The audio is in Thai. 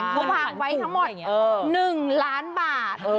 เขาวางไว้ทั้งหมด๑ล้านบาท